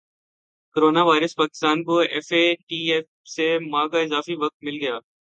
corona virus Pakistan کو F A T F سے ماہ کا اضافی وقت مل گیا